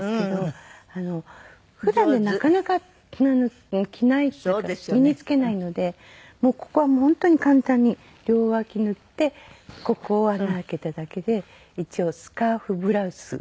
普段ねなかなか着ないっていうか身に着けないのでもうここは本当に簡単に両わき縫ってここを穴開けただけで一応スカーフブラウス。